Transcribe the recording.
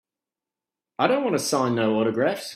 I don't wanta sign no autographs.